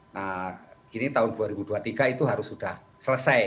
nah ini tahun dua ribu dua puluh tiga itu harus sudah selesai